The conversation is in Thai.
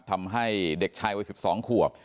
ทำให้เด็กชายวัย๑๒ขวบ